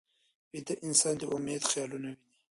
ویده انسان د امید خیالونه ویني